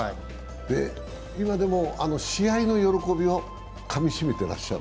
今でも試合の喜びをかみしめてらっしゃる？